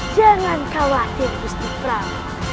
jangan khawatir gusti prabu